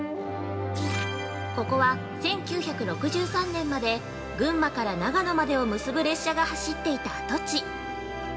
◆ここは１９６３年まで群馬から長野までを結ぶ列車が走っていた跡地。